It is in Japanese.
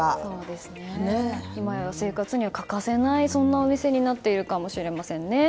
今や生活には欠かせないお店になっているかもしれませんね。